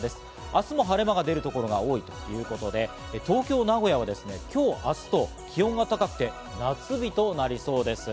明日も晴れ間が出るところが多いということで、東京、名古屋は今日、明日と気温が高くて夏日となりそうです。